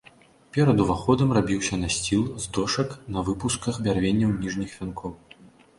Перад уваходам рабіўся насціл з дошак на выпусках бярвенняў ніжніх вянкоў.